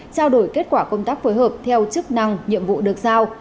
trao đổi kết quả công tác phối hợp theo chức năng nhiệm vụ được giao